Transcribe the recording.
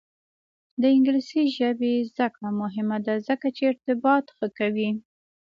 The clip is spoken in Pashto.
د انګلیسي ژبې زده کړه مهمه ده ځکه چې ارتباط ښه کوي.